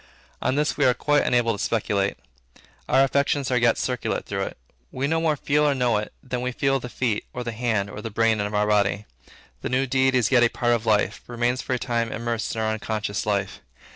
On this we are quite unable to speculate. Our affections as yet circulate through it. We no more feel or know it, than we feel the feet, or the hand, or the brain of our body. The new deed is yet a part of life, remains for a time immersed in our unconscious life.